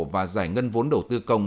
và giải ngân vốn đầu tư công